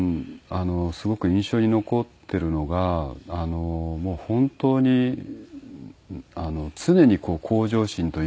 すごく印象に残ってるのがもう本当に常に向上心というか